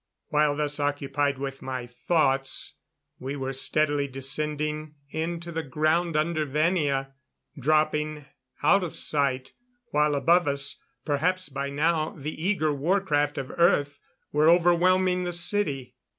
While thus occupied with my thoughts, we were steadily descending into the ground under Venia dropping out of sight while above us, perhaps by now, the eager warcraft of Earth were overwhelming the city.